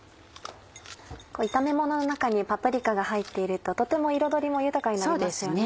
炒めものの中にパプリカが入っているととても彩りも豊かになりますよね。